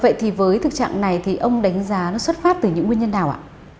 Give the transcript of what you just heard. vậy thì với thực trạng này thì ông đánh giá nó xuất phát từ những nguyên nhân nào ạ